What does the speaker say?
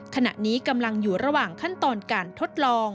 ขณะนี้กำลังอยู่ระหว่างขั้นตอนการทดลอง